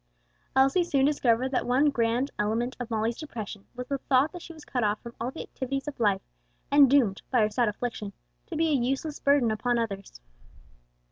Elsie soon discovered that one grand element of Molly's depression was the thought that she was cut off from all the activities of life and doomed, by her sad affliction, to be a useless burden upon others.